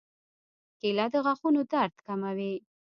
کېله د غاښونو درد کموي.